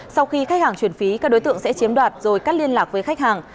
sau khi khách hàng chuyển phí các đối tượng sẽ chiếm đoạt rồi cắt liên lạc với khách hàng